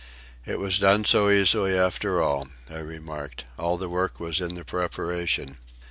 "It was done so easily after all," I remarked. "All the work was in the preparation."